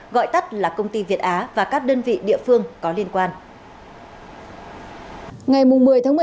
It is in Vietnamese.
gọi tắt là công ty việt á và các đơn vị địa phương có liên quan